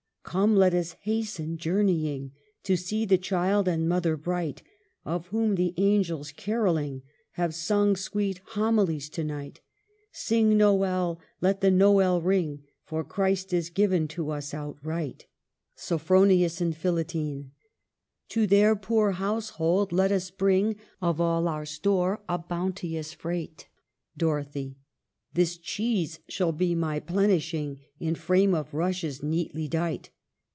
Come let us hasten, journeying To see the Child and Mother bright Of whom the angels, carolling, Have sung sweet homihes to night : Siftg Nowell, let the Nowell ring. For Christ is given to us ontright. NERAC in 151,5. 279 Sophron'ms and Philitine. To their poor household let us bring Of all our store a bounteous freight. Dorothy. This cheese shall be my plenishing, In frame of rushes neatly dight.